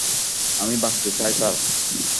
আমি বাঁচতে চাই, স্যার?